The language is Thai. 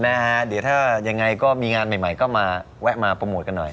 นะฮะเดี๋ยวถ้ายังไงก็มีงานใหม่ก็มาแวะมาโปรโมทกันหน่อย